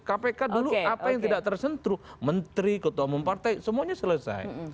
kpk dulu apa yang tidak tersentuh menteri ketua umum partai semuanya selesai